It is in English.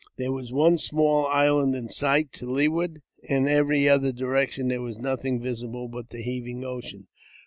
There was one small island in sight to leeward; in every other direction there was nothing visible but the heaving ocean.